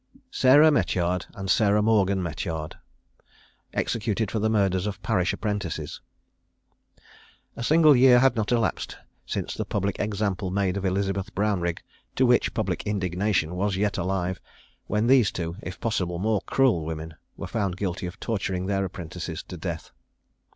SARAH METYARD AND SARAH MORGAN METYARD. EXECUTED FOR THE MURDERS OF PARISH APPRENTICES. A single year had not elapsed since the public example made of Elizabeth Brownrigg, to which the public indignation was yet alive, when these two, if possible, more cruel women, were found guilty of torturing their apprentices to death.